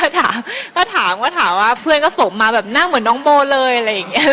แม่ก็ถามว่าเพื่อนก็สมมานั่งเหมือนน้องโบเลยอะไรอย่างนี้